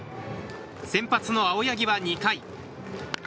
先発の青柳は２回。